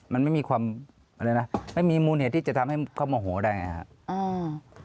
มันไม่มีความอะไรนะไม่มีมูลเหตุที่จะทำให้เขาโมโหได้ไงครับ